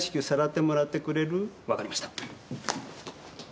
分かりました。